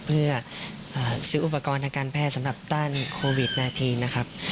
เพื่อซื้ออุปกรณ์ทางการแพทย์สำหรับต้านโควิด๑๙นะครับ